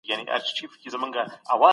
باطل لکه ځګ داسي ژر له منځه ځي.